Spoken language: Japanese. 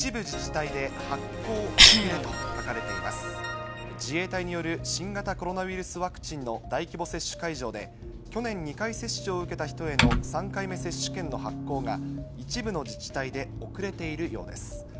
自衛隊による新型コロナウイルスワクチンの大規模接種会場で、去年２回接種を受けた人への３回目接種券の発行が、一部の自治体で遅れているようです。